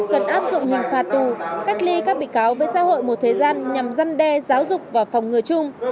cần áp dụng hình phạt tù cách ly các bị cáo với xã hội một thời gian nhằm giăn đe giáo dục và phòng ngừa chung